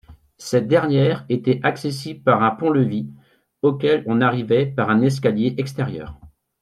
Cette dernière était accessible par un pont-levis, auquel on arrivait par un escalier extérieur.